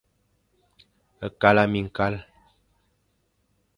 Kala miñkal.